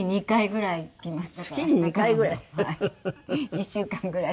１週間ぐらい。